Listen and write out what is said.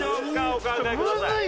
お考えください。